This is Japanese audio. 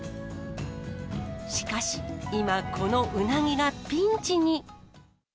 しかし、今、このうなぎがピンチに。